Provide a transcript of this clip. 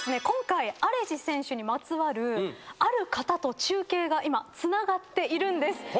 今回アレジ選手にまつわるある方と中継が今つながっているんです。